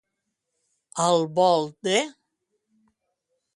Al volt de.